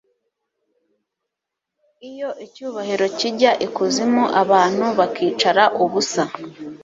Iyo icyubahiro kijya ikuzimu abantu bakicara ubusa